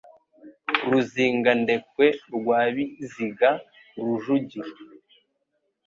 Ruzingandekwe rwa Biziga rujugiro